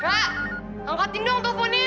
kak angkatin dong teleponnya